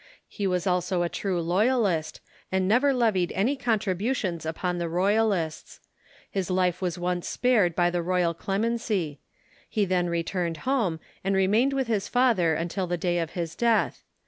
He was also a true loyalist, and never levied any contributions upon the Royalists. His life was once spared by the royal clemency. He then returned home, and remained with his father until the day of his death.